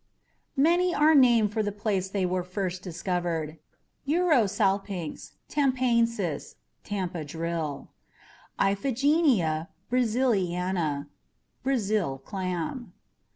Many are named for the place they were first discovered: UROSALPINX TAMPAENSIS, Tampa Drill; and IPHIGENIA BRASILIANA, Brazil Clam.